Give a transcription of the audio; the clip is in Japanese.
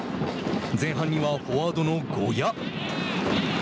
前半にはフォワードの呉屋。